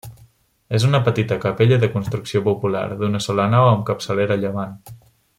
És una petita capella de construcció popular, d'una sola nau amb capçalera a llevant.